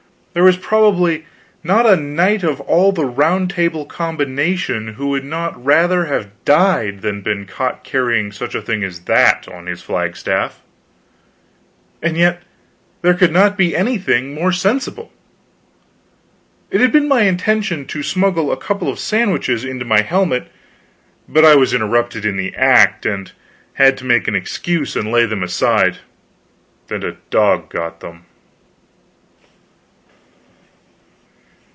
There was probably not a knight of all the Round Table combination who would not rather have died than been caught carrying such a thing as that on his flagstaff. And yet there could not be anything more sensible. It had been my intention to smuggle a couple of sandwiches into my helmet, but I was interrupted in the act, and had to make an excuse and lay them aside, and a dog got them.